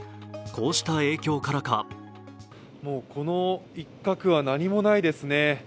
こうした影響からかこの一角は何もないですね。